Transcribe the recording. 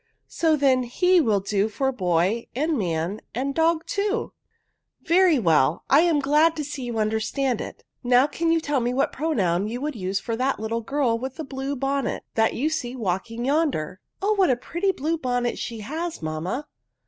So, then, he will do for boy and man, and dog too." '* Very well ; I am glad to see you under stand it. Now can you tell me what pronoun you would use for that little girl with a blue bonnet, that you see walking yonder ?"" Oh, what a pretty blue bonnet she has, mamma